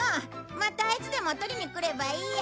またいつでもとりに来ればいいや。